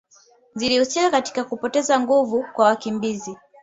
zilihusika katika kupoteza nguvu kwa wakimbizi